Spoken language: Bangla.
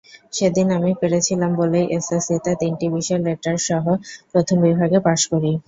সেদিন আমি পেরেছিলাম বলেই এসএসসিতে তিনটি বিষয়ে লেটারসহ প্রথম বিভাগে পাস করি।